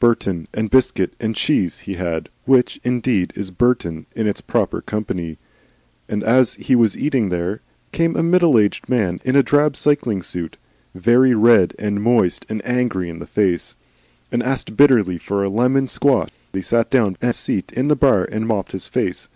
Burton and biscuit and cheese he had, which, indeed, is Burton in its proper company; and as he was eating there came a middleaged man in a drab cycling suit, very red and moist and angry in the face, and asked bitterly for a lemon squash. And he sat down upon the seat in the bar and mopped his face.